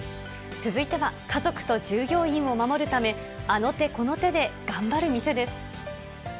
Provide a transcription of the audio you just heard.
続いては、家族と従業員を守るため、あの手この手で頑張る店です。